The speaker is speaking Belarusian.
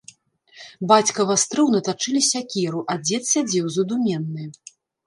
Бацька вастрыў на тачыле сякеру, а дзед сядзеў задуменны.